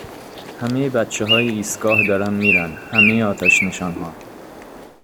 همهی بچههای ایستگاه دارن میرن همهی آتشنشانها